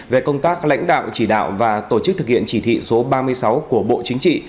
về công tác lãnh đạo chỉ đạo và tổ chức thực hiện chỉ thị số ba mươi sáu của bộ chính trị